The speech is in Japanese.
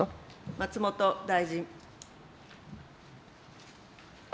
松本大臣。